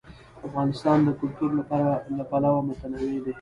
افغانستان د کلتور له پلوه متنوع دی.